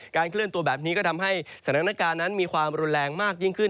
เคลื่อนตัวแบบนี้ก็ทำให้สถานการณ์นั้นมีความรุนแรงมากยิ่งขึ้น